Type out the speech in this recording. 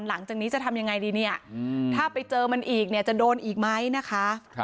หลังจากนี้จะทำยังไงดีเนี่ยถ้าไปเจอมันอีกเนี่ยจะโดนอีกไหมนะคะ